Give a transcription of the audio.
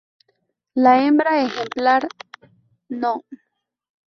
La hembra, ejemplar "No.